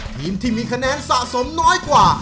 ทีมที่มีคะแนนสะสมน้อยกว่า